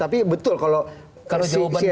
tapi betul kalau si siapa